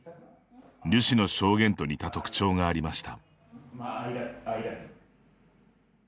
リュ氏の証言と似た特徴がありました。